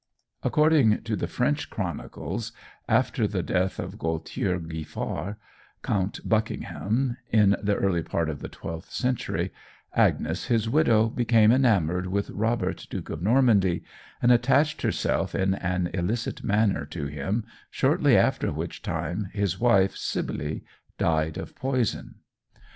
According to the French Chronicles, "After the death of Gaultier Giffard, Count Buckingham, in the early part of the twelfth century, Agnes his widow became enamoured with Robert Duke of Normandy and attached herself in an illicit manner to him, shortly after which time his wife Sibylle died of poison."